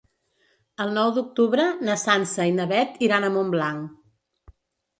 El nou d'octubre na Sança i na Beth iran a Montblanc.